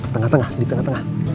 tengah tengah di tengah tengah